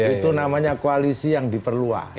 itu namanya koalisi yang diperluas